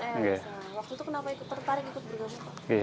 pns waktu itu kenapa tertarik ikut berganti